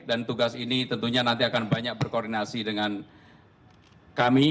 dan tugas ini tentunya nanti akan banyak berkoordinasi dengan kami